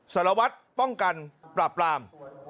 สารวัฒน์ฝ่องกันปราบราม